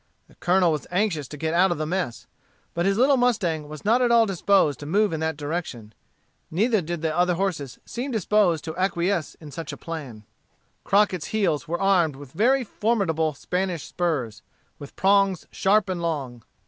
The Colonel was anxious to get out of the mess. But his little mustang was not at all disposed to move in that direction; neither did the other horses seem disposed to acquiesce in such a plan. Crockett's heels were armed with very formidable Spanish spurs, with prongs sharp and long.